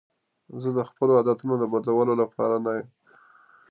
زه د خپلو عادتونو بدلولو لپاره نه یم.